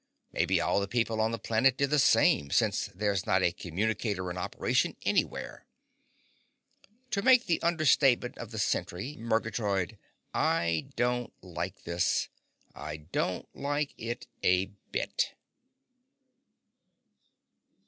Maybe all the people on the planet did the same, since there's not a communicator in operation anywhere. To make the understatement of the century, Murgatroyd, I don't like this. I don't like it a bit!"